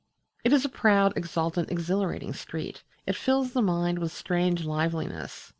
It is a proud, exultant, exhilarating street; it fills the mind with strange liveliness.